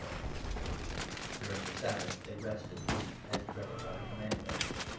The During the Sabbath they rested, as directed by Resurrection the commandment.